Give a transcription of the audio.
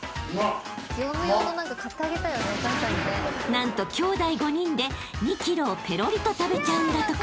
［何と兄弟５人で２ｋｇをペロリと食べちゃうんだとか］